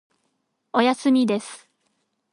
おやすみです。